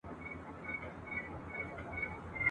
هغه وويل: ملي لمانځني مهمي دي.